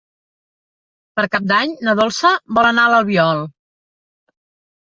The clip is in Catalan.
Per Cap d'Any na Dolça vol anar a l'Albiol.